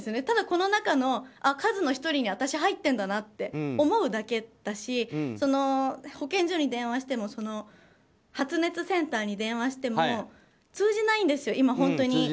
ただ、この中の数の１人に私、入ってるんだなって思うだけだし保健所に電話しても発熱センターに電話しても通じないんですよ、今本当に。